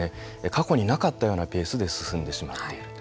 過去になかったようなペースで進んでしまっている。